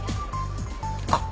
あっ！